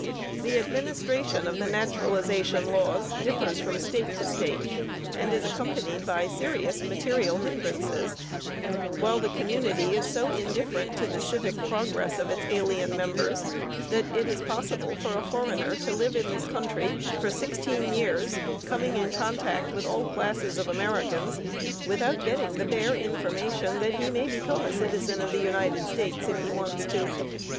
The administration of the naturalization laws differs from State to State and is accompanied by serious material hindrances; while the community is so indifferent to the civic progress of its alien members that it is possible for a foreigner to live in this country for sixteen years, coming in contact with all classes of Americans, without getting the bare information that he may become a citizen of the United States if he wants to.